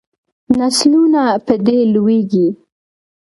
نسلونه په دې لویږي.